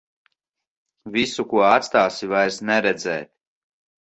Visu, ko atstāsi, vairs neredzēt.